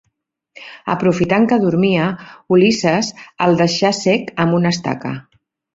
Aprofitant que dormia, Ulisses, el deixà cec amb una estaca.